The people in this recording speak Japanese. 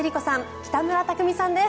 北村匠海さんです。